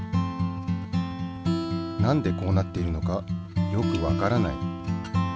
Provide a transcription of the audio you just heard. なんでこうなっているのかよくわからない。